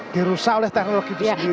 dirusak oleh teknologi itu sendiri